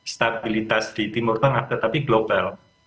stabilitas di timur tengah tetapi global